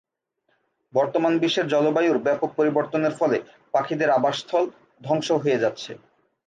বর্তমান বিশ্বের জলবায়ুর ব্যাপক পরিবর্তনের ফলে পাখিদের আবাসস্থল ধ্বংস হয়ে যাচ্ছে।